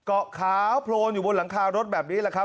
เกาะขาวโพลนอยู่บนหลังคารถแบบนี้แหละครับ